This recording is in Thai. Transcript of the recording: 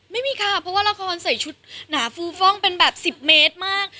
ไม่มีค่ะเพราะว่าละครใส่ชุดหนาฟูฟ่องเป็นแบบ๑๐เมตรมาก